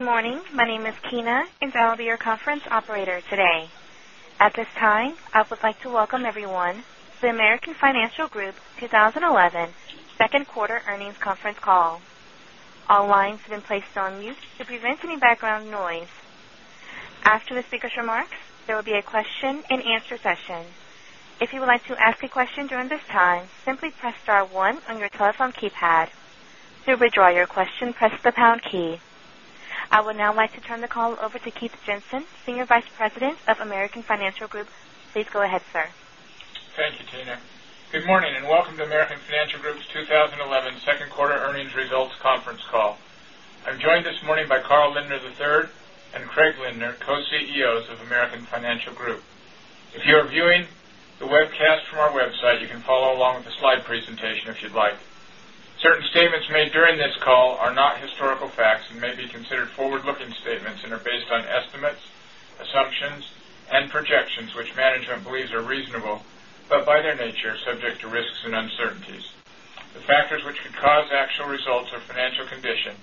Good morning. My name is Tina, I'll be your conference operator today. At this time, I would like to welcome everyone to the American Financial Group 2011 second quarter earnings conference call. All lines have been placed on mute to prevent any background noise. After the speaker's remarks, there will be a question and answer session. If you would like to ask a question during this time, simply press star one on your telephone keypad. To withdraw your question, press the pound key. I would now like to turn the call over to Keith Jensen, Senior Vice President of American Financial Group. Please go ahead, sir. Thank you, Tina. Good morning, welcome to American Financial Group's 2011 second quarter earnings results conference call. I'm joined this morning by Carl Lindner III and Craig Lindner, Co-CEOs of American Financial Group. If you are viewing the webcast from our website, you can follow along with the slide presentation if you'd like. Certain statements made during this call are not historical facts and may be considered forward-looking statements are based on estimates, assumptions, and projections which management believes are reasonable, but by their nature, are subject to risks and uncertainties. The factors which could cause actual results or financial condition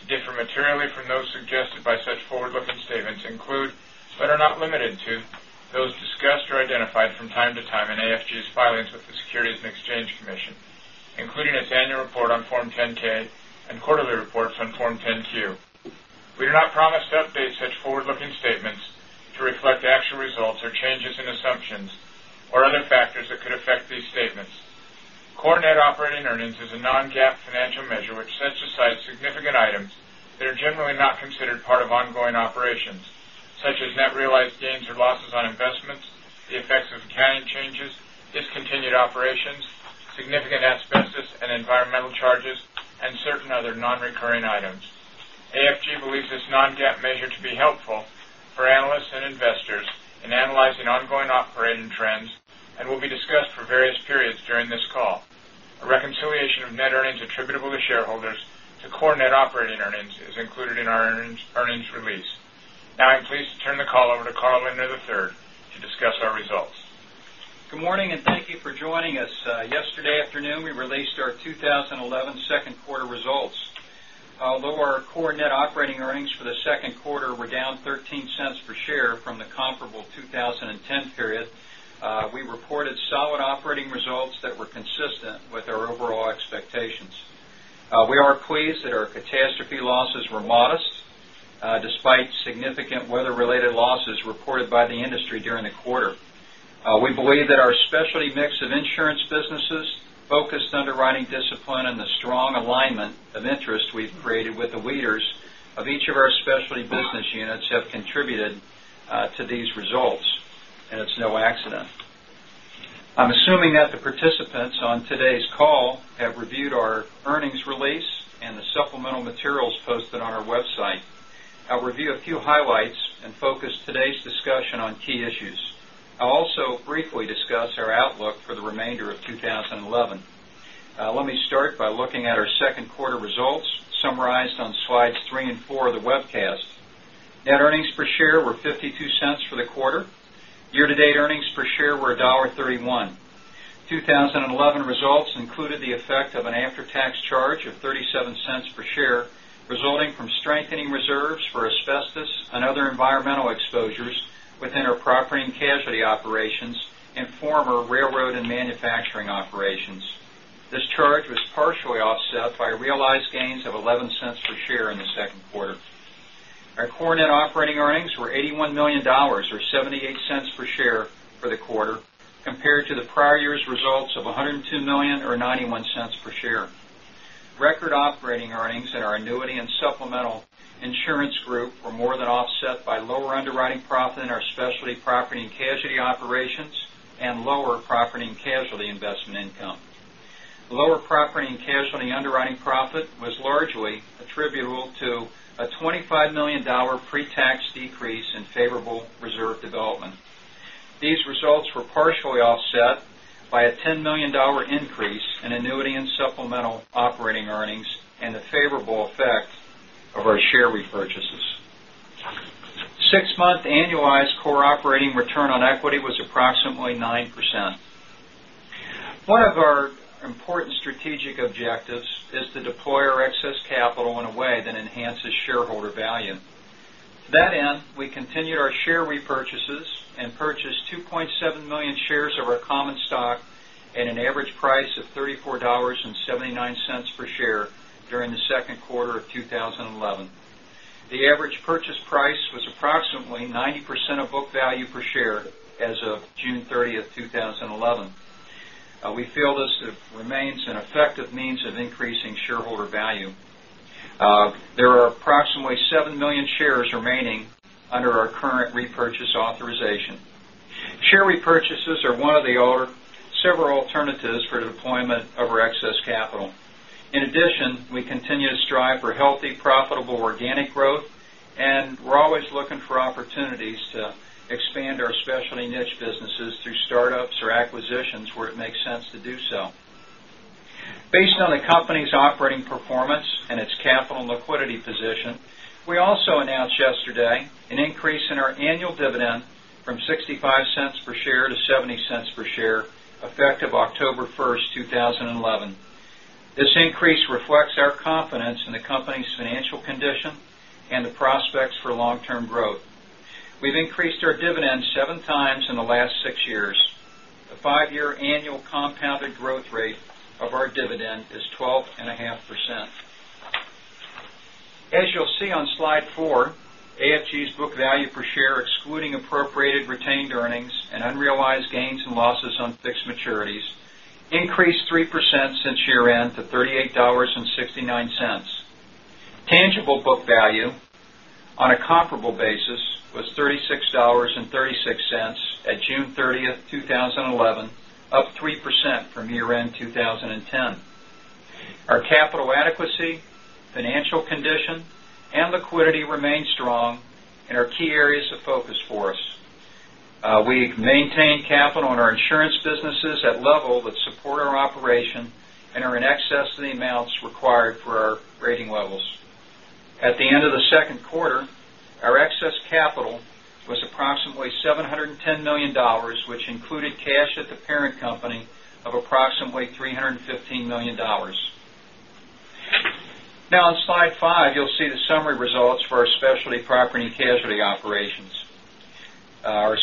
to differ materially from those suggested by such forward-looking statements include, but are not limited to, those discussed or identified from time to time in AFG's filings with the Securities and Exchange Commission, including its annual report on Form 10-K and quarterly reports on Form 10-Q. We do not promise to update such forward-looking statements to reflect actual results or changes in assumptions or other factors that could affect these statements. Core net operating earnings is a non-GAAP financial measure which sets aside significant items that are generally not considered part of ongoing operations, such as net realized gains or losses on investments, the effects of accounting changes, discontinued operations, significant asbestos and environmental charges, and certain other non-recurring items. AFG believes this non-GAAP measure to be helpful for analysts and investors in analyzing ongoing operating trends and will be discussed for various periods during this call. A reconciliation of net earnings attributable to shareholders to core net operating earnings is included in our earnings release. Now I'm pleased to turn the call over to Carl Lindner III to discuss our results. Good morning, thank you for joining us. Yesterday afternoon, we released our 2011 second quarter results. Although our core net operating earnings for the second quarter were down $0.13 per share from the comparable 2010 period, we reported solid operating results that were consistent with our overall expectations. We are pleased that our catastrophe losses were modest, despite significant weather-related losses reported by the industry during the quarter. We believe that our specialty mix of insurance businesses, focused underwriting discipline, and the strong alignment of interest we've created with the leaders of each of our specialty business units have contributed to these results, it's no accident. I'm assuming that the participants on today's call have reviewed our earnings release and the supplemental materials posted on our website. I'll review a few highlights focus today's discussion on key issues. I'll also briefly discuss our outlook for the remainder of 2011. Let me start by looking at our second quarter results, summarized on slides three and four of the webcast. Net earnings per share were $0.52 for the quarter. Year-to-date earnings per share were $1.31. 2011 results included the effect of an after-tax charge of $0.37 per share, resulting from strengthening reserves for asbestos and other environmental exposures within our property and casualty operations in former railroad and manufacturing operations. This charge was partially offset by realized gains of $0.11 per share in the second quarter. Our core net operating earnings were $81 million, or $0.78 per share for the quarter, compared to the prior year's results of $102 million or $0.91 per share. Record operating earnings in our Annuity and Supplemental Insurance group were more than offset by lower underwriting profit in our specialty property and casualty operations and lower property and casualty investment income. Lower property and casualty underwriting profit was largely attributable to a $25 million pre-tax decrease in favorable reserve development. These results were partially offset by a $10 million increase in Annuity and Supplemental operating earnings and the favorable effect of our share repurchases. Six-month annualized return on equity was approximately 9%. One of our important strategic objectives is to deploy our excess capital in a way that enhances shareholder value. To that end, we continued our share repurchases and purchased 2.7 million shares of our common stock at an average price of $34.79 per share during the second quarter of 2011. The average purchase price was approximately 90% of book value per share as of June 30th, 2011. We feel this remains an effective means of increasing shareholder value. There are approximately seven million shares remaining under our current repurchase authorization. Share repurchases are one of the several alternatives for deployment of our excess capital. We continue to strive for healthy, profitable organic growth, and we're always looking for opportunities to expand our specialty niche businesses through startups or acquisitions where it makes sense to do so. Based on the company's operating performance and its capital and liquidity position, we also announced yesterday an increase in our annual dividend from $0.65 per share to $0.70 per share, effective October 1st, 2011. This increase reflects our confidence in the company's financial condition and the prospects for long-term growth. We've increased our dividend seven times in the last six years. The five-year annual compounded growth rate of our dividend is 12.5%. As you'll see on slide four, AFG's book value per share, excluding appropriated retained earnings and unrealized gains and losses on fixed maturities, increased 3% since year-end to $38.69. Tangible book value on a comparable basis was $36.36 at June 30th, 2011, up 3% from year-end 2010. Our capital adequacy, financial condition, and liquidity remain strong and are key areas of focus for us. We've maintained capital in our insurance businesses at levels that support our operation and are in excess of the amounts required for our rating levels. At the end of the second quarter, our excess capital was approximately $710 million, which included cash at the parent company of approximately $315 million. On slide five, you'll see the summary results for our specialty property and casualty operations. Our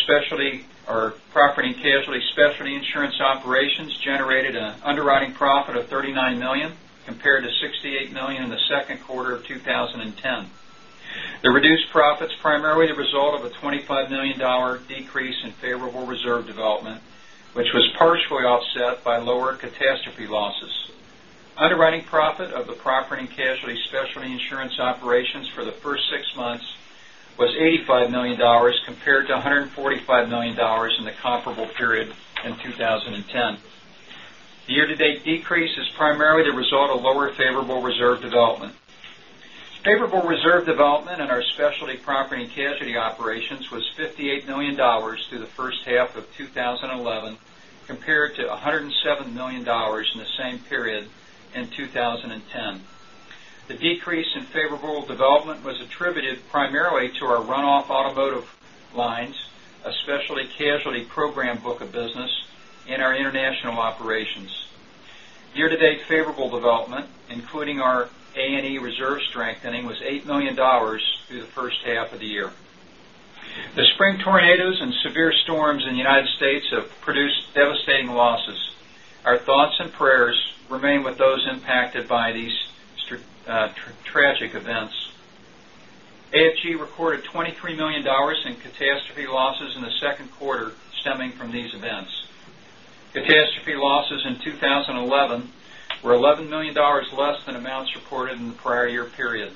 property and casualty specialty insurance operations generated an underwriting profit of $39 million, compared to $68 million in the second quarter of 2010. The reduced profit's primarily the result of a $25 million decrease in favorable reserve development, which was partially offset by lower catastrophe losses. Underwriting profit of the property and casualty specialty insurance operations for the first six months was $85 million, compared to $145 million in the comparable period in 2010. The year-to-date decrease is primarily the result of lower favorable reserve development. Favorable reserve development in our specialty property and casualty operations was $58 million through the first half of 2011, compared to $107 million in the same period in 2010. The decrease in favorable development was attributed primarily to our runoff automotive lines, a Specialty Casualty program book of business in our international operations. Year-to-date favorable development, including our A&E reserve strengthening, was $8 million through the first half of the year. The spring tornadoes and severe storms in the United States have produced devastating losses. Our thoughts and prayers remain with those impacted by these tragic events. AFG recorded $23 million in catastrophe losses in the second quarter stemming from these events. Catastrophe losses in 2011 were $11 million less than amounts reported in the prior year period.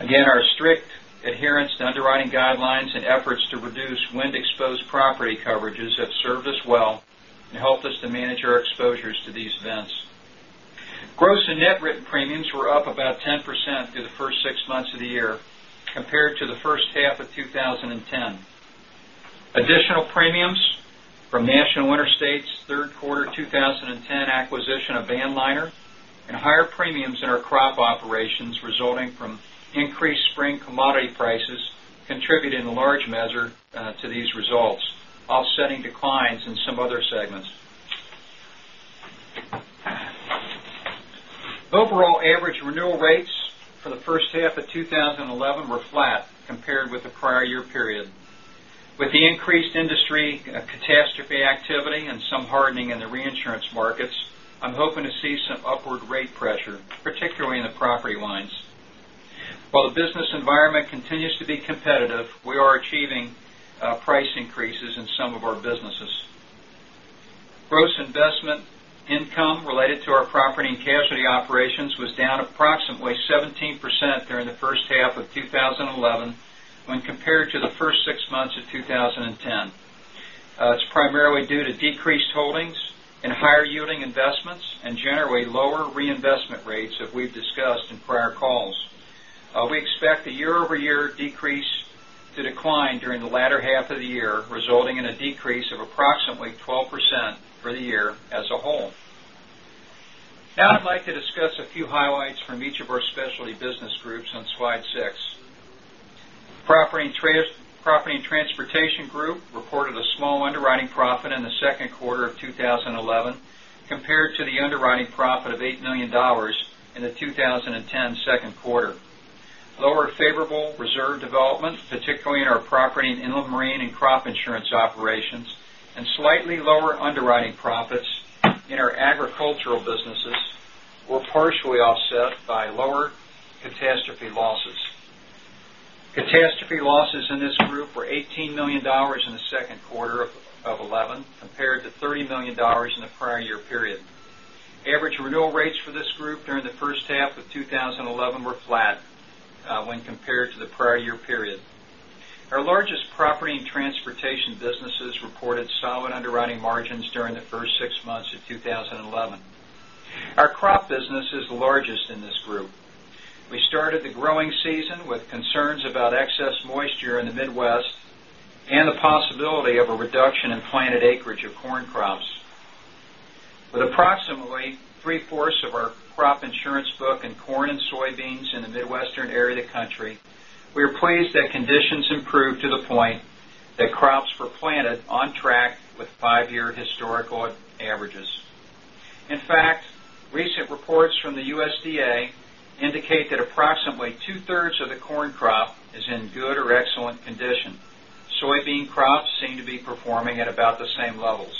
Our strict adherence to underwriting guidelines and efforts to reduce wind-exposed property coverages have served us well and helped us to manage our exposures to these events. Gross and net written premiums were up about 10% through the first six months of the year compared to the first half of 2010. Additional premiums from National Interstate's third quarter 2010 acquisition of Vanliner and higher premiums in our crop operations resulting from increased spring commodity prices contributed in large measure to these results, offsetting declines in some other segments. Overall average renewal rates for the first half of 2011 were flat compared with the prior year period. With the increased industry catastrophe activity and some hardening in the reinsurance markets, I'm hoping to see some upward rate pressure, particularly in the property lines. The business environment continues to be competitive, we are achieving price increases in some of our businesses. Gross investment income related to our property and casualty operations was down approximately 17% during the first half of 2011 when compared to the first six months of 2010. It's primarily due to decreased holdings in higher-yielding investments and generally lower reinvestment rates as we've discussed in prior calls. We expect the year-over-year decrease to decline during the latter half of the year, resulting in a decrease of approximately 12% for the year as a whole. I'd like to discuss a few highlights from each of our specialty business groups on slide six. Property and Transportation Group reported a small underwriting profit in the second quarter of 2011 compared to the underwriting profit of $8 million in the 2010 second quarter. Lower favorable reserve development, particularly in our property and inland marine and crop insurance operations, and slightly lower underwriting profits in our agricultural businesses were partially offset by lower catastrophe losses. Catastrophe losses in this group were $18 million in the second quarter of 2011 compared to $30 million in the prior year period. Average renewal rates for this group during the first half of 2011 were flat when compared to the prior year period. Our largest Property and Transportation businesses reported solid underwriting margins during the first six months of 2011. Our crop business is the largest in this group. We started the growing season with concerns about excess moisture in the Midwest and the possibility of a reduction in planted acreage of corn crops. With approximately three-fourths of our crop insurance book in corn and soybeans in the Midwestern area of the country, we are pleased that conditions improved to the point that crops were planted on track with five-year historical averages. In fact, recent reports from the USDA indicate that approximately two-thirds of the corn crop is in good or excellent condition. Soybean crops seem to be performing at about the same levels.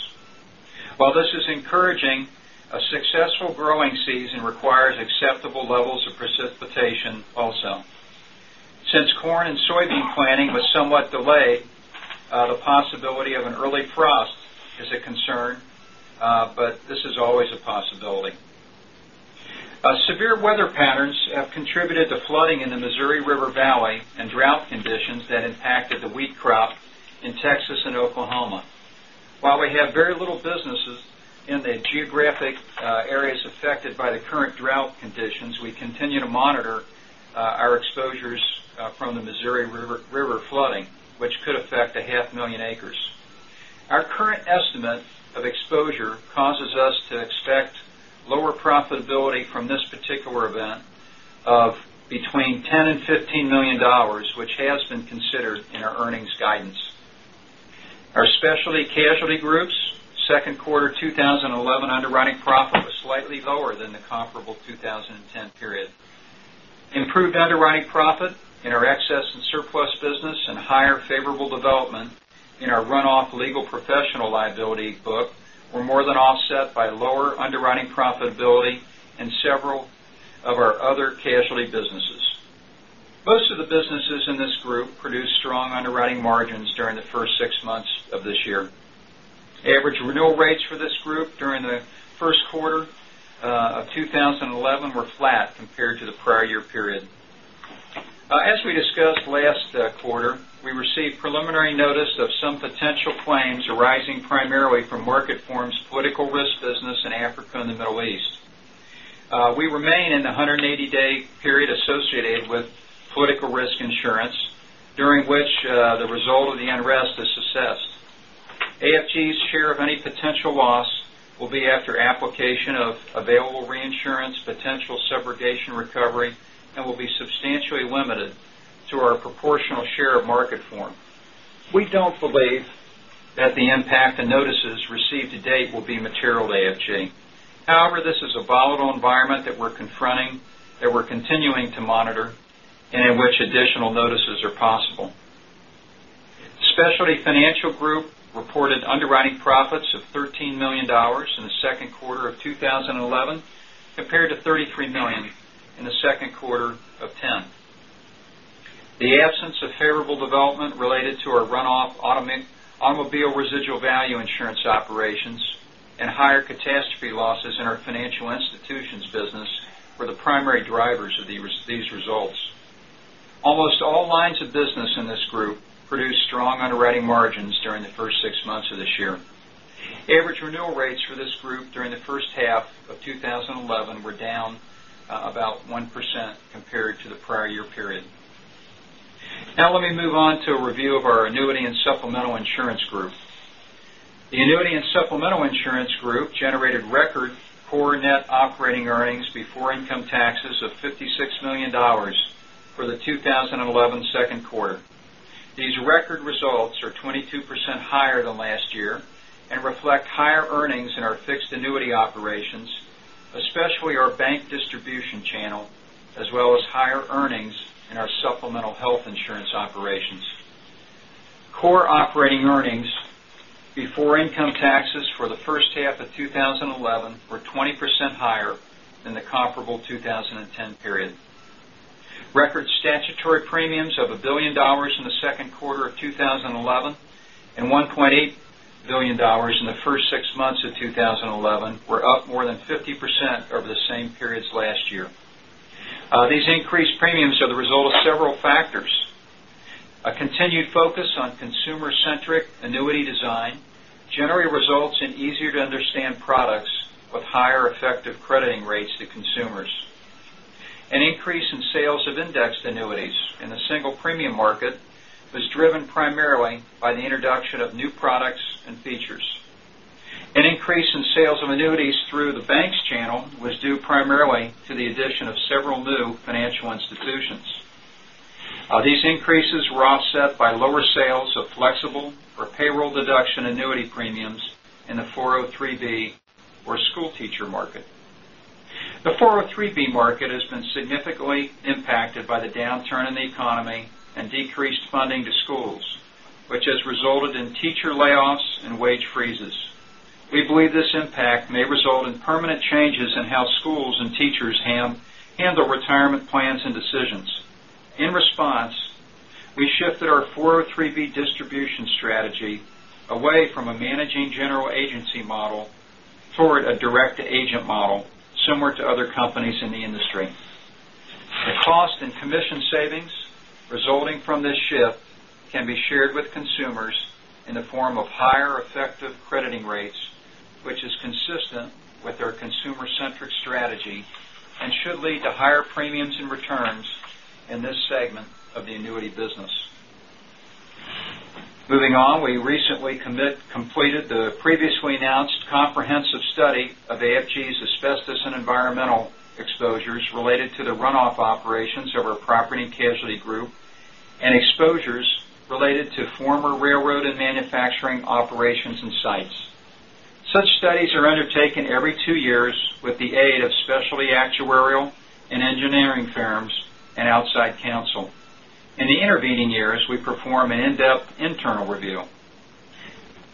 This is encouraging, a successful growing season requires acceptable levels of precipitation also. Corn and soybean planting was somewhat delayed, the possibility of an early frost is a concern. This is always a possibility. Severe weather patterns have contributed to flooding in the Missouri River Valley and drought conditions that impacted the wheat crop in Texas and Oklahoma. We have very little businesses in the geographic areas affected by the current drought conditions, we continue to monitor our exposures from the Missouri River flooding, which could affect a half million acres. Our current estimate of exposure causes us to expect lower profitability from this particular event of between $10 million-$15 million, which has been considered in our earnings guidance. Our Specialty Casualty Group's second quarter 2011 underwriting profit was slightly lower than the comparable 2010 period. Improved underwriting profit in our excess and surplus business and higher favorable development in our runoff legal professional liability book were more than offset by lower underwriting profitability in several of our other casualty businesses. Most of the businesses in this group produced strong underwriting margins during the first six months of this year. Average renewal rates for this group during the first quarter of 2011 were flat compared to the prior year period. We discussed last quarter, we received preliminary notice of some potential claims arising primarily from market forms political risk business in Africa and the Middle East. We remain in the 180-day period associated with political risk insurance, during which the result of the unrest is assessed. AFG's share of any potential loss will be after application of available reinsurance, potential subrogation recovery, and will be substantially limited to our proportional share of market form. We don't believe that the impact and notices received to date will be material to AFG. This is a volatile environment that we're confronting, that we're continuing to monitor, and in which additional notices are possible. Specialty Financial Group reported underwriting profits of $13 million in the second quarter of 2011, compared to $33 million in the second quarter of 2010. The absence of favorable development related to our runoff automobile residual value insurance operations and higher catastrophe losses in our financial institutions business were the primary drivers of these results. Almost all lines of business in this group produced strong underwriting margins during the first six months of this year. Average renewal rates for this group during the first half of 2011 were down about 1% compared to the prior year period. Let me move on to a review of our Annuity and Supplemental Insurance group. The Annuity and Supplemental Insurance group generated record core net operating earnings before income taxes of $56 million for the 2011 second quarter. These record results are 22% higher than last year and reflect higher earnings in our fixed annuity operations, especially our bank distribution channel, as well as higher earnings in our supplemental health insurance operations. Core operating earnings before income taxes for the first half of 2011 were 20% higher than the comparable 2010 period. Record statutory premiums of $1 billion in the second quarter of 2011 and $1.8 billion in the first six months of 2011 were up more than 50% over the same periods last year. These increased premiums are the result of several factors. A continued focus on consumer-centric annuity design generally results in easier-to-understand products with higher effective crediting rates to consumers. An increase in sales of indexed annuities in the single premium market was driven primarily by the introduction of new products and features. An increase in sales of annuities through the banks channel was due primarily to the addition of several new financial institutions. These increases were offset by lower sales of flexible or payroll deduction annuity premiums in the 403 or school teacher market. The 403 market has been significantly impacted by the downturn in the economy and decreased funding to schools, which has resulted in teacher layoffs and wage freezes. We believe this impact may result in permanent changes in how schools and teachers handle retirement plans and decisions. In response, we shifted our 403 distribution strategy away from a managing general agency model toward a direct-to-agent model similar to other companies in the industry. The cost and commission savings resulting from this shift can be shared with consumers in the form of higher effective crediting rates, which is consistent with our consumer-centric strategy and should lead to higher premiums and returns in this segment of the annuity business. We recently completed the previously announced comprehensive study of AFG's asbestos and environmental exposures related to the runoff operations of our property and casualty group, and exposures related to former railroad and manufacturing operations and sites. Such studies are undertaken every two years with the aid of specialty actuarial and engineering firms and outside counsel. In the intervening years, we perform an in-depth internal review.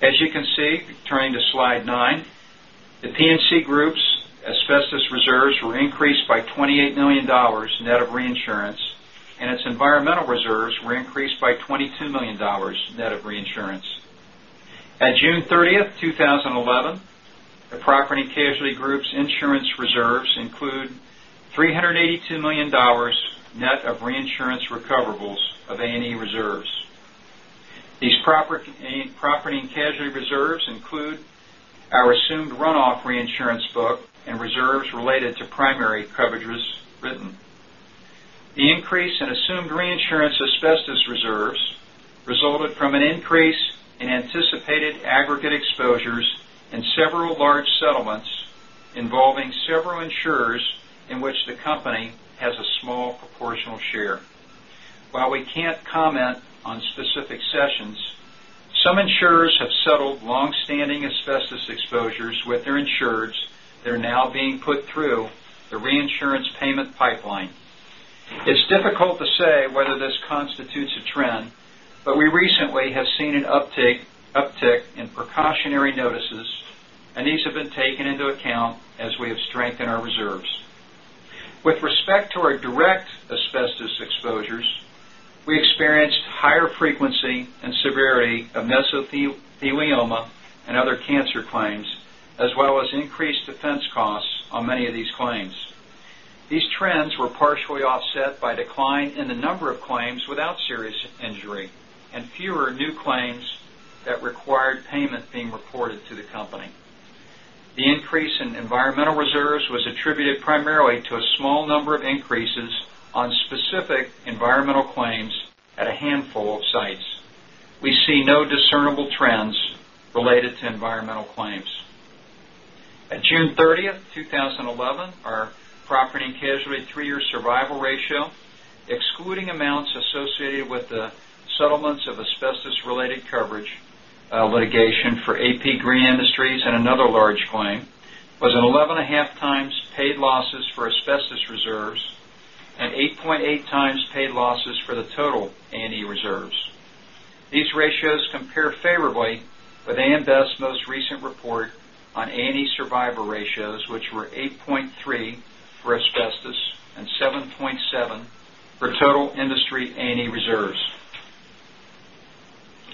As you can see, turning to slide nine, the P&C group's asbestos reserves were increased by $28 million net of reinsurance, and its environmental reserves were increased by $22 million net of reinsurance. At June 30th, 2011, the property and casualty group's insurance reserves include $382 million net of reinsurance recoverables of A&E reserves. These property and casualty reserves include our assumed runoff reinsurance book and reserves related to primary coverages written. The increase in assumed reinsurance asbestos reserves resulted from an increase in anticipated aggregate exposures and several large settlements involving several insurers in which the company has a small proportional share. While we can't comment on specific cessions, some insurers have settled longstanding asbestos exposures with their insureds that are now being put through the reinsurance payment pipeline. It's difficult to say whether this constitutes a trend, but we recently have seen an uptick in precautionary notices, and these have been taken into account as we have strengthened our reserves. With respect to our direct asbestos exposures, we experienced higher frequency and severity of mesothelioma and other cancer claims, as well as increased defense costs on many of these claims. These trends were partially offset by decline in the number of claims without serious injury and fewer new claims that required payment being reported to the company. The increase in environmental reserves was attributed primarily to a small number of increases on specific environmental claims at a handful of sites. We see no discernible trends related to environmental claims. At June 30th, 2011, our property and casualty three-year survival ratio, excluding amounts associated with the settlements of asbestos-related coverage litigation for A.P. Green Industries and another large claim, was an 11.5 times paid losses for asbestos reserves and 8.8 times paid losses for the total A&E reserves. These ratios compare favorably with A.M. Best's most recent report on A&E survival ratios, which were 8.3 for asbestos and 7.7 for total industry A&E reserves.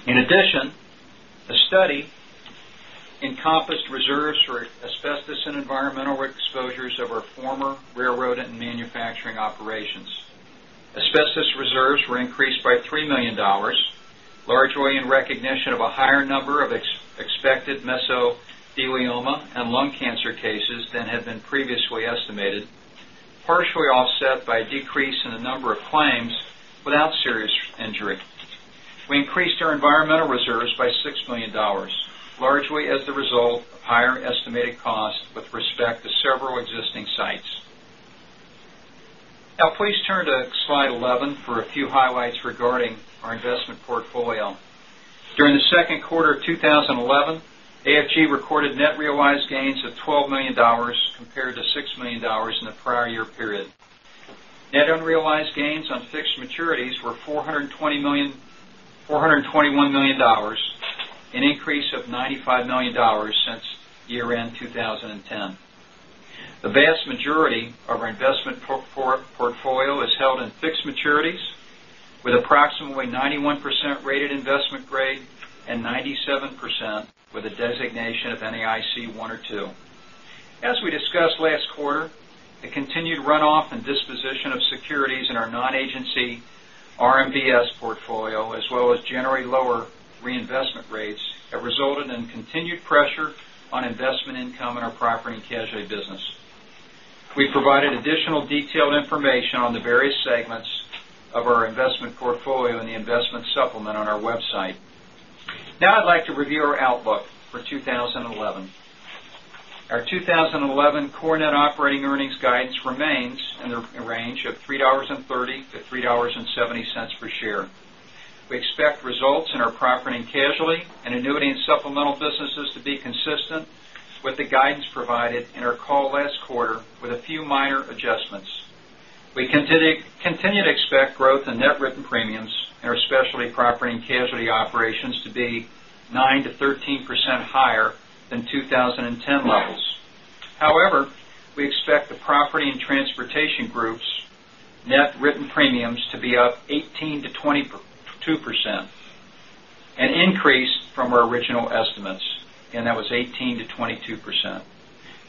In addition, the study encompassed reserves for asbestos and environmental exposures of our former railroad and manufacturing operations. Asbestos reserves were increased by $3 million, largely in recognition of a higher number of expected mesothelioma and lung cancer cases than had been previously estimated, partially offset by a decrease in the number of claims without serious injury. We increased our environmental reserves by $6 million, largely as the result of higher estimated costs with respect to several existing sites. Please turn to slide 11 for a few highlights regarding our investment portfolio. During the second quarter of 2011, AFG recorded net realized gains of $12 million compared to $6 million in the prior year period. Net unrealized gains on fixed maturities were $421 million, an increase of $95 million since year-end 2010. The vast majority of our investment portfolio is held in fixed maturities, with approximately 91% rated investment grade and 97% with a designation of NAIC 1 or 2. As we discussed last quarter, the continued runoff and disposition of securities in our non-agency RMBS portfolio, as well as generally lower reinvestment rates, have resulted in continued pressure on investment income in our property and casualty business. We provided additional detailed information on the various segments of our investment portfolio in the investment supplement on our website. I'd like to review our outlook for 2011. Our 2011 core net operating earnings guidance remains in the range of $3.30-$3.70 per share. We expect results in our property and casualty and Annuity and Supplemental Insurance businesses to be consistent with the guidance provided in our call last quarter, with a few minor adjustments. We continue to expect growth in net written premiums in our specialty property and casualty operations to be 9%-13% higher than 2010 levels. We expect the Property and Transportation Group's net written premiums to be up 18%-22%, an increase from our original estimates, and that was 18%-22%,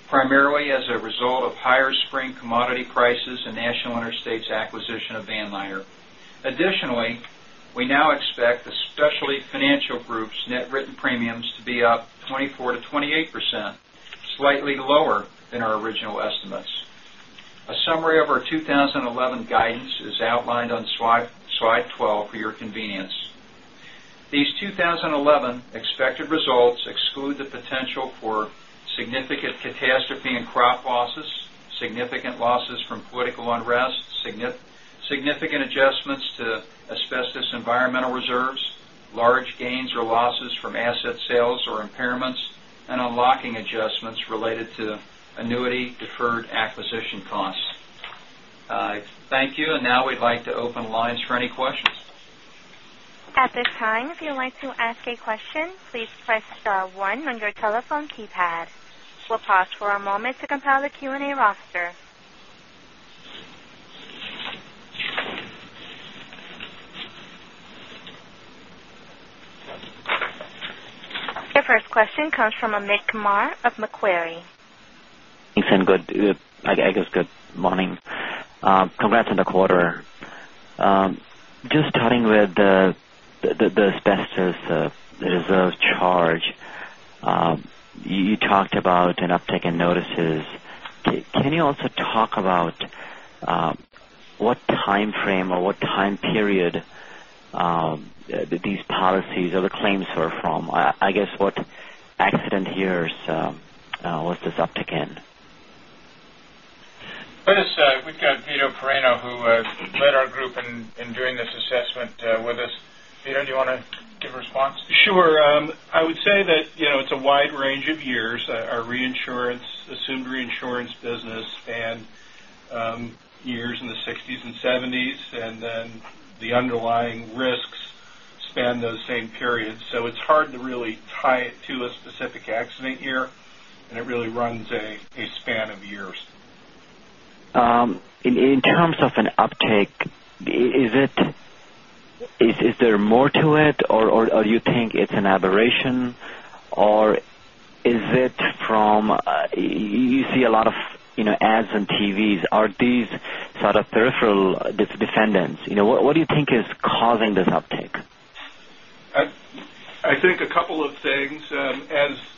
primarily as a result of higher spring commodity prices and National Interstate's acquisition of Vanliner. We now expect the Specialty Financial Group's net written premiums to be up 24%-28%, slightly lower than our original estimates. A summary of our 2011 guidance is outlined on slide 12 for your convenience. These 2011 expected results exclude the potential for significant catastrophe and crop losses, significant losses from political unrest, significant adjustments to asbestos environmental reserves, large gains or losses from asset sales or impairments, and unlocking adjustments related to annuity deferred acquisition costs. Thank you. Now we'd like to open lines for any questions. At this time, if you'd like to ask a question, please press star one on your telephone keypad. We'll pause for a moment to compile the Q&A roster. Your first question comes from Amit Kumar of Macquarie. Jensen, good. Good morning. Congrats on the quarter. Just starting with the asbestos reserves charge. You talked about an uptick in notices. Can you also talk about what time frame or what time period these policies or the claims were from? What accident years was this uptick in? With us, we've got Vito Perino, who led our group in doing this assessment with us. Vito, do you want to give a response? Sure. I would say that it's a wide range of years. Our assumed reinsurance business spanned years in the '60s and '70s, then the underlying risks span those same periods. It's hard to really tie it to a specific accident year, and it really runs a span of years. In terms of an uptick, is there more to it, or you think it's an aberration? Is it from, you see a lot of ads on TVs. Are these sort of peripheral defendants? What do you think is causing this uptick? I think a couple of things.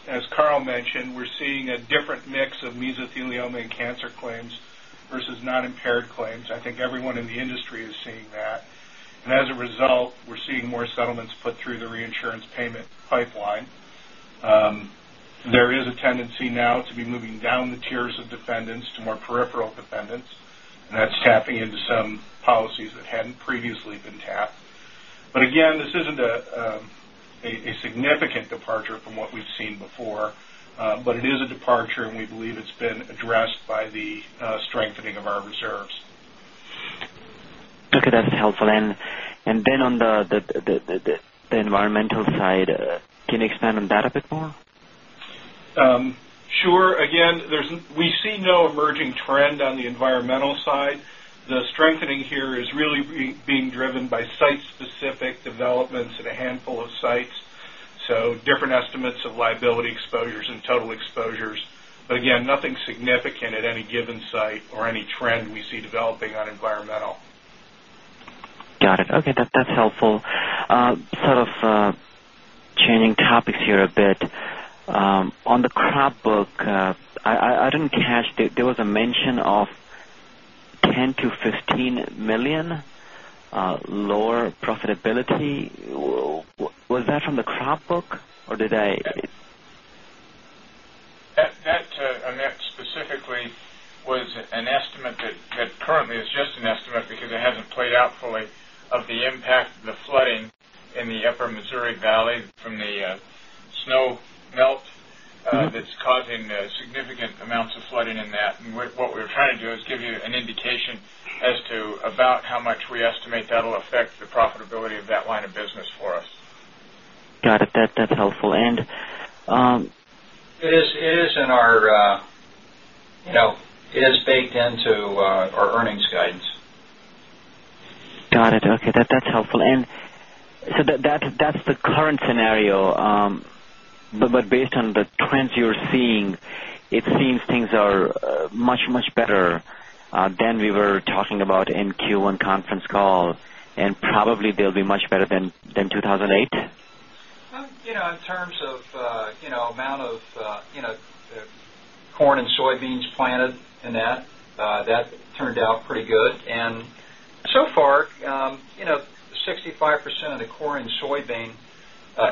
As Carl mentioned, we're seeing a different mix of mesothelioma and cancer claims versus non-impaired claims. I think everyone in the industry is seeing that. As a result, we're seeing more settlements put through the reinsurance payment pipeline. There is a tendency now to be moving down the tiers of defendants to more peripheral defendants, and that's tapping into some policies that hadn't previously been tapped. Again, this isn't a significant departure from what we've seen before. It is a departure, and we believe it's been addressed by the strengthening of our reserves. Okay, that's helpful. Then on the environmental side, can you expand on that a bit more? Sure. Again, we see no emerging trend on the environmental side. The strengthening here is really being driven by site-specific developments at a handful of sites. Different estimates of liability exposures and total exposures, but again, nothing significant at any given site or any trend we see developing on environmental. Got it. Okay. That's helpful. Sort of changing topics here a bit. On the crop book, I didn't catch, there was a mention of $10 million-$15 million lower profitability. Was that from the crop book or did I? Amit, specifically was an estimate that currently is just an estimate because it hasn't played out fully of the impact of the flooding in the upper Missouri Valley from the snow melt that's causing significant amounts of flooding in that. What we were trying to do is give you an indication as to about how much we estimate that'll affect the profitability of that line of business for us. Got it. That's helpful. It is baked into our earnings guidance. Got it. Okay. That's helpful. That's the current scenario. Based on the trends you're seeing, it seems things are much, much better than we were talking about in Q1 conference call, and probably they'll be much better than 2008? In terms of amount of corn and soybeans planted in that turned out pretty good. So far, 65% of the corn and soybean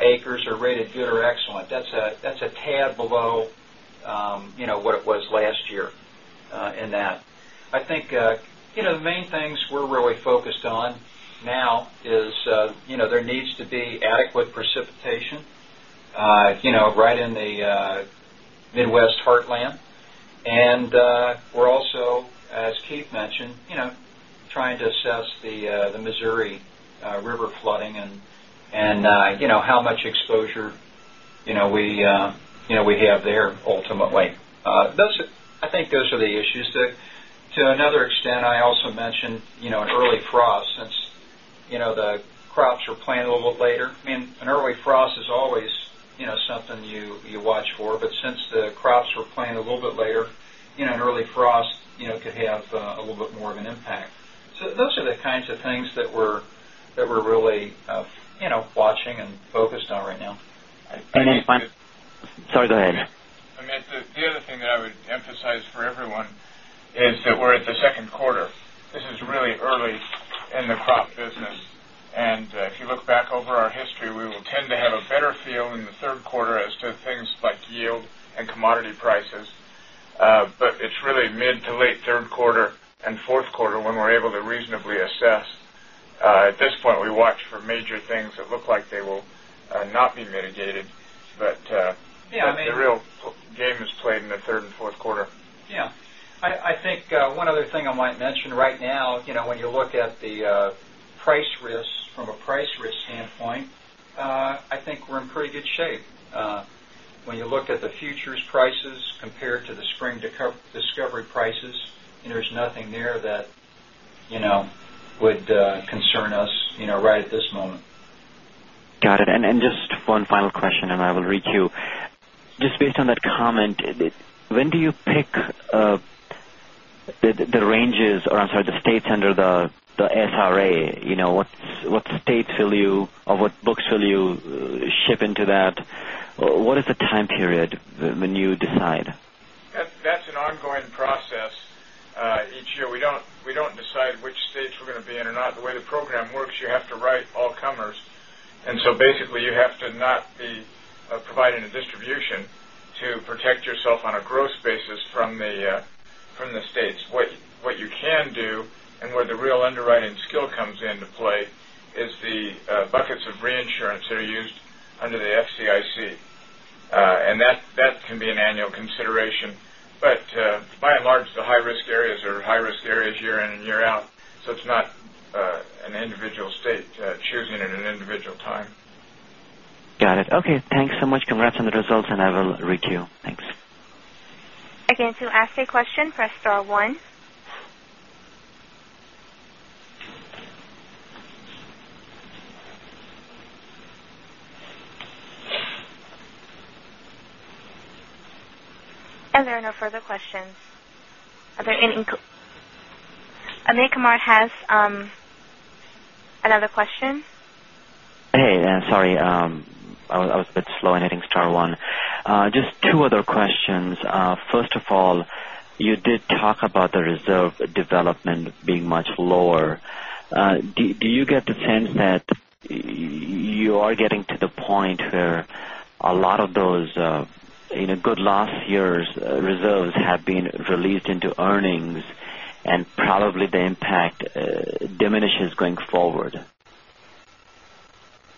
acres are rated good or excellent. That's a tad below what it was last year in that. I think the main things we're really focused on now is there needs to be adequate precipitation right in the Midwest heartland. We're also, as Keith mentioned, trying to assess the Missouri River flooding and how much exposure we have there ultimately. I think those are the issues. To another extent, I also mentioned an early frost since the crops were planted a little bit later. An early frost is always something you watch for, since the crops were planted a little bit later, an early frost could have a little bit more of an impact. Those are the kinds of things that we're really watching and focused on right now. That's fine. Go ahead. I mean, the other thing that I would emphasize for everyone is that we're at the second quarter. This is really early in the crop business. If you look back over our history, we will tend to have a better feel in the third quarter as to things like yield and commodity prices. It's really mid to late third quarter and fourth quarter when we're able to reasonably assess. At this point, we watch for major things that look like they will not be mitigated. Yeah, I mean. The real game is played in the third and fourth quarter. Yeah. I think one other thing I might mention right now, when you look at the price risks from a price risk standpoint, I think we're in pretty good shape. When you look at the futures prices compared to the spring discovery prices, there's nothing there that would concern us right at this moment. Got it. Just one final question, and I will re-queue. Just based on that comment, when do you pick the ranges or, I'm sorry, the states under the SRA? What states will you or what books will you ship into that? What is the time period when you decide? That's an ongoing process. Each year, we don't decide which states we're going to be in or not. The way the program works, you have to write all comers. So basically, you have to not be providing a distribution to protect yourself on a gross basis from the states. What you can do, and where the real underwriting skill comes into play, is the buckets of reinsurance that are used under the FCIC. That can be an annual consideration. By and large, the high-risk areas are high-risk areas year in and year out, so it's not an individual state choosing at an individual time. Got it. Okay, thanks so much. Congrats on the results. I will re-queue. Thanks. Again, to ask a question, press star one. There are no further questions. Amit Kumar has another question. Hey, sorry. I was a bit slow in hitting star one. Just two other questions. First of all, you did talk about the reserve development being much lower. Do you get the sense that you are getting to the point where a lot of those good last year's reserves have been released into earnings? Probably the impact diminishes going forward?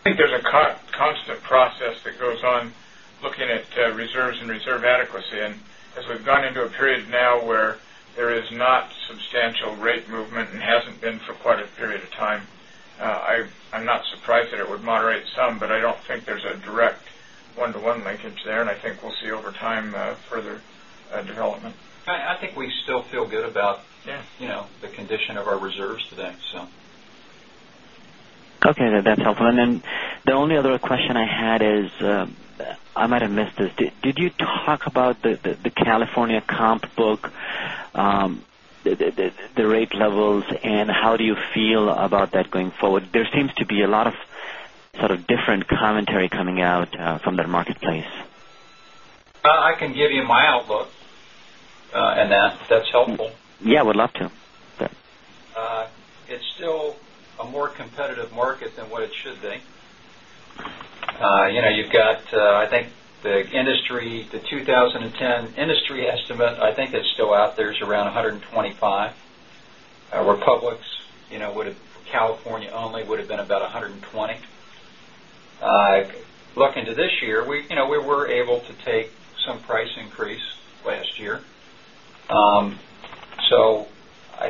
I think there's a constant process that goes on looking at reserves and reserve adequacy. As we've gone into a period now where there is not substantial rate movement and hasn't been for quite a period of time, I'm not surprised that it would moderate some, I don't think there's a direct one-to-one linkage there, and I think we'll see over time further development. I think we still feel good about- Yeah the condition of our reserves today. Okay, that's helpful. The only other question I had is, I might have missed this. Did you talk about the California comp book, the rate levels, and how do you feel about that going forward? There seems to be a lot of sort of different commentary coming out from that marketplace. I can give you my outlook, and that's helpful. Yeah, would love to. It's still a more competitive market than what it should be. You've got, I think, the 2010 industry estimate, I think that's still out there. It's around 125. Republic's, for California only, would've been about 120. Looking to this year, we were able to take some price increase last year. I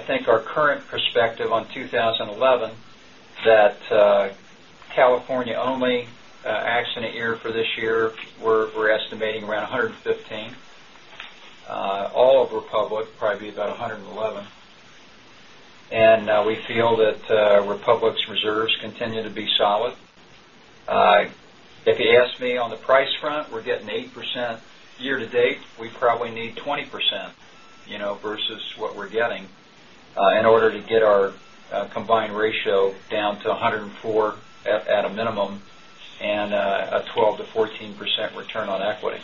think our current perspective on 2011 that California only accident year for this year, we're estimating around 115. All of Republic probably be about 111. We feel that Republic's reserves continue to be solid. If you ask me on the price front, we're getting 8% year to date. We probably need 20% versus what we're getting in order to get our combined ratio down to 104 at a minimum and a 12%-14% return on equity.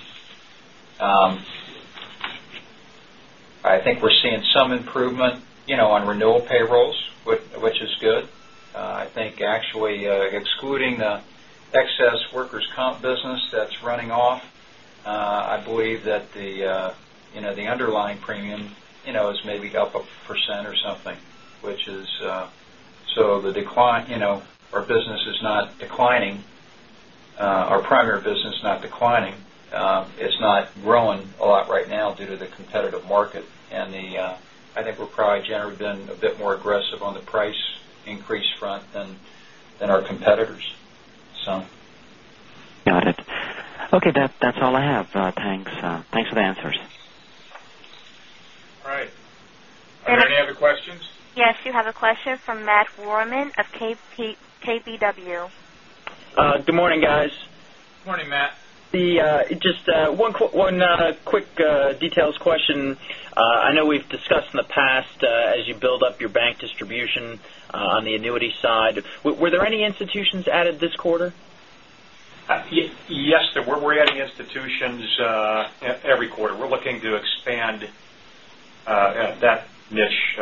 I think we're seeing some improvement on renewal payrolls, which is good. I think actually excluding the excess workers' comp business that's running off, I believe that the underlying premium is maybe up 1% or something. Our business is not declining. Our primary business is not declining. It's not growing a lot right now due to the competitive market, I think we're probably generally been a bit more aggressive on the price increase front than our competitors. Got it. Okay, that's all I have. Thanks. Thanks for the answers. All right. Are there any other questions? Yes. You have a question from Matt Rohrmann of KBW. Good morning, guys. Morning, Matt. Just one quick details question. I know we've discussed in the past as you build up your bank distribution on the annuity side, were there any institutions added this quarter? Yes, there were. We're adding institutions every quarter. We're looking to expand that niche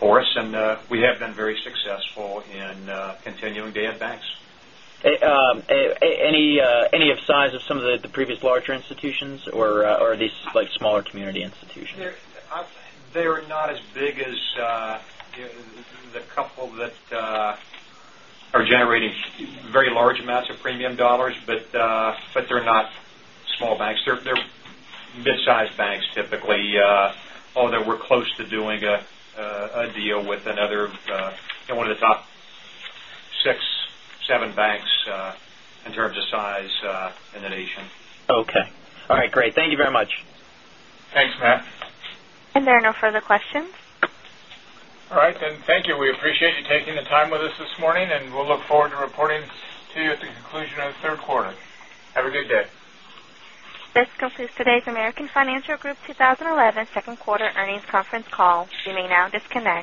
for us, and we have been very successful in continuing to add banks. Any of size of some of the previous larger institutions, or are these smaller community institutions? They are not as big as the couple that are generating very large amounts of premium dollars, but they're not small banks. They're mid-size banks, typically, although we're close to doing a deal with another one of the top six, seven banks in terms of size in the nation. Okay. All right, great. Thank you very much. Thanks, Matt. There are no further questions. All right then. Thank you. We appreciate you taking the time with us this morning, and we'll look forward to reporting to you at the conclusion of the third quarter. Have a good day. This concludes today's American Financial Group 2011 second quarter earnings conference call. You may now disconnect.